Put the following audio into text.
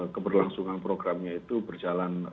keberlangsungan programnya itu berjalan